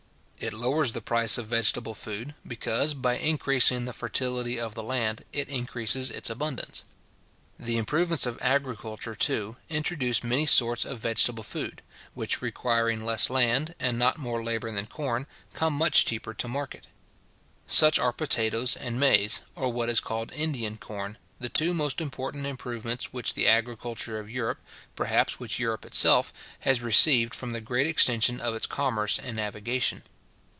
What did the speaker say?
It lowers the price of vegetable food; because, by increasing the fertility of the land, it increases its abundance. The improvements of agriculture, too, introduce many sorts of vegetable food, which requiring less land, and not more labour than corn, come much cheaper to market. Such are potatoes and maize, or what is called Indian corn, the two most important improvements which the agriculture of Europe, perhaps, which Europe itself, has received from the great extension of its commerce and navigation.